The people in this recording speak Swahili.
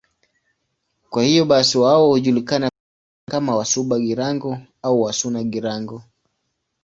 Kwa hiyo basi wao hujulikana pia kama Wasuba-Girango au Wasuna-Girango.